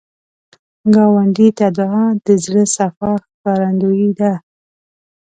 ګاونډي ته دعا، د زړه صفا ښکارندویي ده